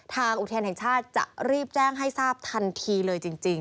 อุทยานแห่งชาติจะรีบแจ้งให้ทราบทันทีเลยจริง